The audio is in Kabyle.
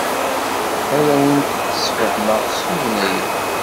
Ad awent-d-tessefhem s tugna-a.